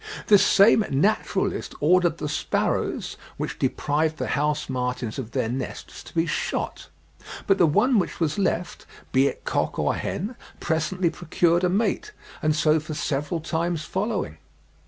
This same naturalist ordered the sparrows, which deprived the house martins of their nests, to be shot; but the one which was left, "be it cock or hen, presently procured a mate, and so for several times following."